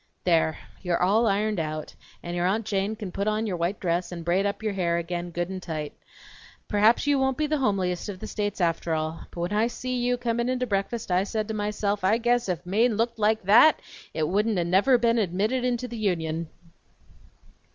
There, you're all ironed out and your Aunt Jane can put on your white dress and braid your hair up again good and tight. Perhaps you won't be the hombliest of the states, after all; but when I see you comin' in to breakfast I said to myself: I guess if Maine looked like that, it wouldn't never a' been admitted into the Union!'"